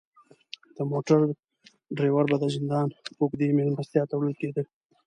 د موټر دریور به د زندان اوږدې میلمستیا ته وړل کیده.